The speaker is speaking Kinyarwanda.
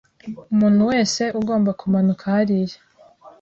Umuntu wese ugomba kumanuka hariya